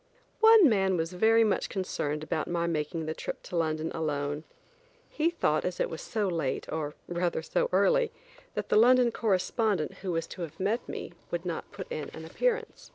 One man was very much concerned about my making the trip to London alone. He thought as it was so late, or rather so early, that the London correspondent, who was to have met me, would not put in an appearance.